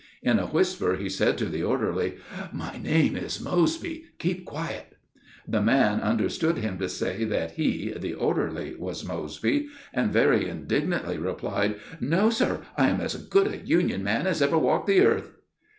In a whisper he said to the orderly: "My name is Mosby. Keep quiet!" The man understood him to say that he (the orderly) was "Mosby," and very indignantly replied: "No sir, I am as good a Union man as ever walked the earth."